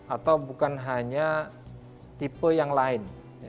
atau bukan hanya tipe yang lain